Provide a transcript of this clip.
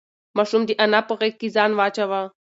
ماشوم د انا په غېږ کې ځان واچاوه.